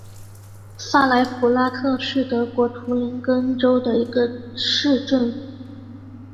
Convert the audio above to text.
萨莱普拉特是德国图林根州的一个市镇。